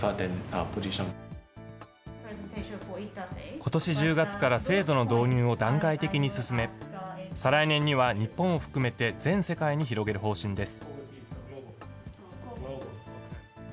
ことし１０月から制度の導入を段階的に進め、再来年には日本を含めて全世界に広げる方針です。